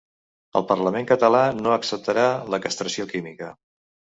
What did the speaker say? El parlament català no acceptarà la castració química.